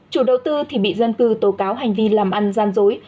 chủ đầu tư thì bị dân cư tố cáo hành vi làm ăn gian dối